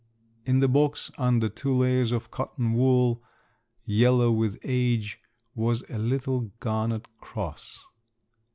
In the box, under two layers of cotton wool, yellow with age, was a little garnet cross.